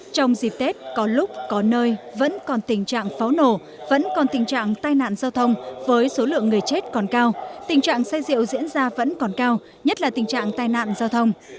trong dịp tết có lúc có nơi vẫn còn tình trạng pháo nổ vẫn còn tình trạng tai nạn giao thông với số lượng người chết còn cao tình trạng say rượu diễn ra vẫn còn cao nhất là tình trạng tai nạn giao thông